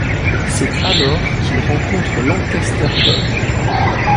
C'est alors qu'il rencontre Lancaster Dodd.